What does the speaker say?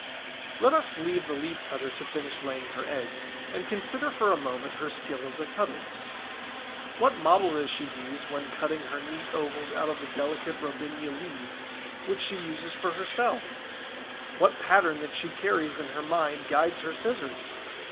Let us leave the Leaf cutter to finish laying her eggs, and consider for a moment her skill as a cutter. What model does she use, when cutting her neat ovals out of the delicate Robinia leaves, which she uses for her cells? What pattern that she carries in her mind guides her scissors?